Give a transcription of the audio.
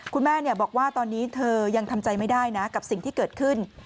คุณแม่บอกว่าตอนนี้เธอยังทำใจไม่ได้นะกับสิ่งที่เกิดขึ้น